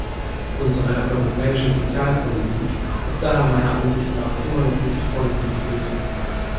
Unsere europäische Sozialpolitik ist daher meiner Ansicht nach immer noch nicht voll integriert.